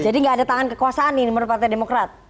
jadi tidak ada tangan kekuasaan ini menurut partai demokrat